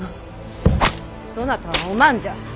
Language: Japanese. そなたはお万じゃ。